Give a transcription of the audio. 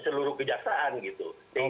seluruh kejaksaan gitu